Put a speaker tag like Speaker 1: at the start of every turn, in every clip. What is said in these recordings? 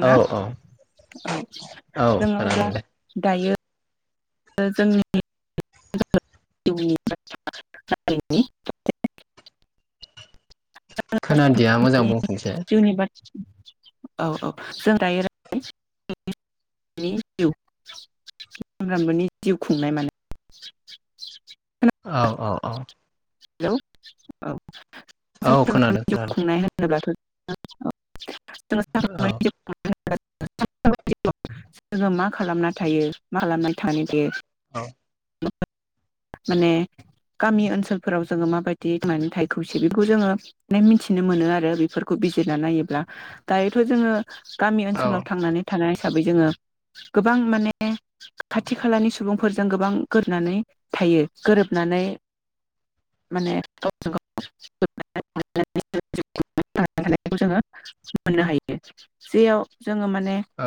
Speaker 1: औ
Speaker 2: औ
Speaker 1: औ
Speaker 2: जोङो अब्ला
Speaker 1: खोनादों दे
Speaker 2: दायो ओ जोंनि [unintelligible]
Speaker 1: खोनादिया मोजां बुंफिनसाय
Speaker 2: जिउनि बाथ्रा औ औ जों दरैनि जिउ खुंनाय मान
Speaker 1: औ औ औ
Speaker 2: हेलौ औ
Speaker 1: औ
Speaker 2: सानफ्रोमबोनि
Speaker 1: खोनादों
Speaker 2: जिउ
Speaker 1: खोनादों
Speaker 2: खुंनाय [unintelligible] [unintelligible] [unintelligible] मा
Speaker 1: औ
Speaker 2: खालामना थायो मा खालामना थानो दे
Speaker 1: औ
Speaker 2: माने गामि ओनसोलफोराव जोङो माबायदि माने थाइखुम सिरिखौ जोङो मे मिथिनो मोनो आरो बेफोरखौ बिजिरना नायोब्ला दायोथ' जोङो गामि
Speaker 1: औ
Speaker 2: ओनसोलाव थांनानै थानाय हिसाबै जोङो गोबां माने खाथि खालानि सुबुंफोरजों गोबां गोरोबनानै थायो गोरोबनानै माने गावजों गाव [unintelligible] थानायखौ जोङो मोननो हायो जेयाव जोङो माने
Speaker 1: औ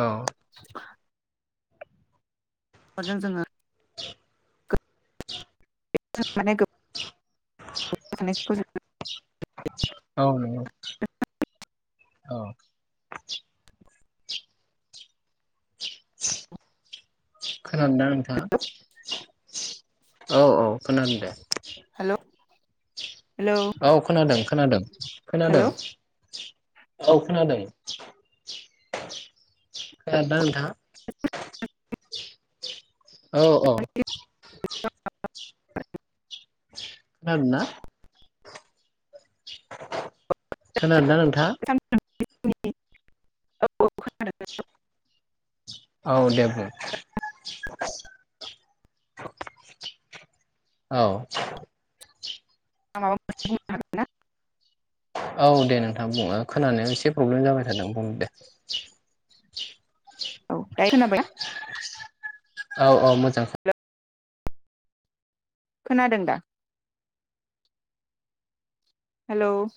Speaker 2: [unintelligible]
Speaker 1: [inaudible]
Speaker 2: बे [unintelligible] गोब
Speaker 1: औ नंगौ
Speaker 2: [unintelligible]
Speaker 1: औ [unintelligible] खोनादोंना नोंथाङा औ औ खोनादों दे
Speaker 2: हेलौ हेलौ
Speaker 1: औ खोनादों खोनादों
Speaker 2: हेलौ
Speaker 1: खोनादों औ खोनादों खोनादोंना नोंथांङा? औ अ खोनादोंना [unintelligible] खोनादोंना नोंथाङा?
Speaker 2: [unintelligible]
Speaker 1: औ दे बुं। औ।
Speaker 2: आं मा बा मोन से बुं नो हागोन ना?
Speaker 1: औ दे नों थां खोनानाया एसे प्रब्लेम जाबाय। ओ नों बुंदे
Speaker 2: औ दायो खोना बायना?
Speaker 1: औ औ मोजां।
Speaker 2: खोनादों दा? हेल'